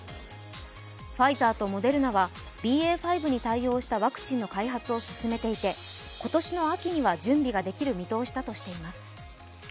ファイザーとモデルナは、ＢＡ．５に対応したワクチンの開発を進めていて、今年の秋には準備ができる見通しだとしています。